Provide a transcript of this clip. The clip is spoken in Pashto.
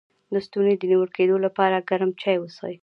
د ستوني د نیول کیدو لپاره ګرم چای وڅښئ